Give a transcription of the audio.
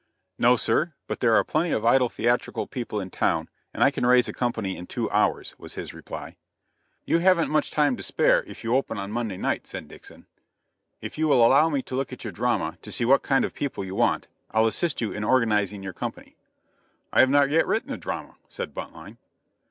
"No, sir; but there are plenty of idle theatrical people in town, and I can raise a company in two hours," was his reply. "You haven't much time to spare, if you open on Monday night," said Nixon. "If you will allow me to look at your drama, to see what kind of people you want, I'll assist you in organizing your company." "I have not yet written the drama," said Buntline.